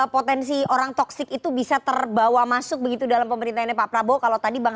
potensi orang toksik itu bisa terbawa masuk begitu dalam pemerintahnya pak prabowo kalau tadi bang